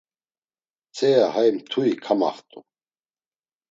Mtzea hay mtui kamaxt̆u.